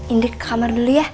indik kamar dulu ya